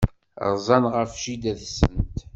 Rzant ɣef jida-tsent.